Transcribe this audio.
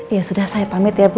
ya sudah saya pamit ya bu